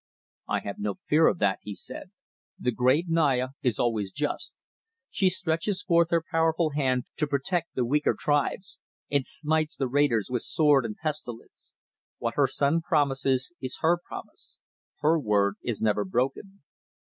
"I have no fear of that," he said. "The great Naya is always just. She stretches forth her powerful hand to protect the weaker tribes, and smites the raiders with sword and pestilence. What her son promises is her promise. Her word is never broken."